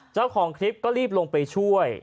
เจ้าของคลิปก็รีบลงไปช่วย